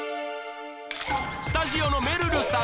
スタジオのめるるさん